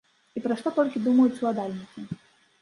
І пра што толькі думаюць уладальнікі?